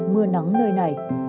mưa nắng nơi này